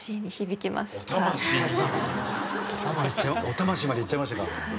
お魂までいっちゃいましたか。